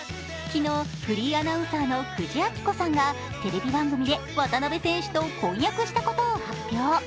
昨日、フリーアナウンサーの久慈暁子さんがテレビ番組で渡邊選手と婚約したことを発表。